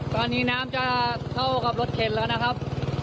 ตอนนี้น้ำจะเท่ากับรถเข็นแล้วนะครับ